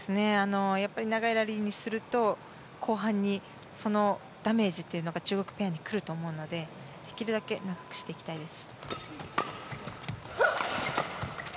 長いラリーにすると後半にそのダメージというのが中国ペアにくると思うのでできるだけ長くしていきたいです。